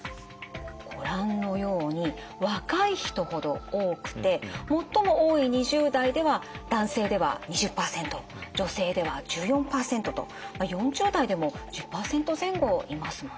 ご覧のように若い人ほど多くて最も多い２０代では男性では２０％女性では１４％と４０代でも１０％前後いますもんね。